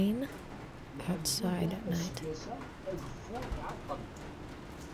lḥemdullah aseggas-a ageffur iɛeṭṭel